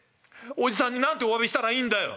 おじさんに何ておわびしたらいいんだよ」。